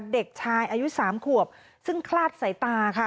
เด็กชายอายุ๓ขวบซึ่งคลาดสายตาค่ะ